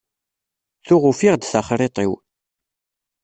Tuɣ ufiɣ-d taxṛiṭ-iw.